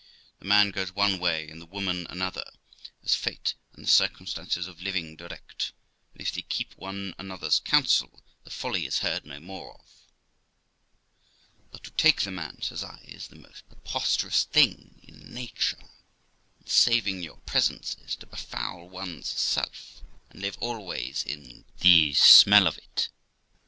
The man goes one way and the woman another, as fate and the circum stances of living direct; and, if they keep one another's counsel, the folly is heard no more of. 'But to take the man', says I, 'is the most pre posterous thing in nature, and (saving your presence) is to befoul one's self, and live always in the smell of it.